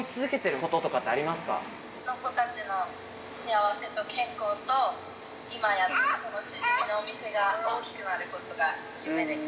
この子たちの幸せと健康と、今やってるしじみのお店が大きくなることが夢です。